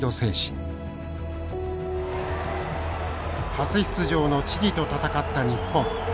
初出場のチリと戦った日本。